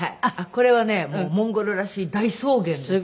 これはねモンゴルらしい大草原ですね。